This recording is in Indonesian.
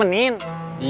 bukannya ada yang nemenin